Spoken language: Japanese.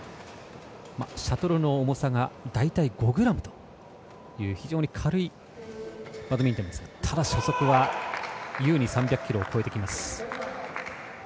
シャトルの重さが大体５ｇという非常に軽いバドミントンですが初速は優に３００キロを超えてきます。